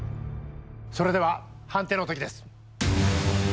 それでは判定の刻です。